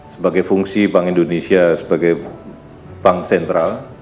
sebagai fungsi bank indonesia sebagai bank sentral